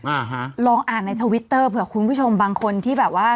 อ่าฮะลองอ่านในทวิตเตอร์เผื่อคุณผู้ชมบางคนที่แบบว่า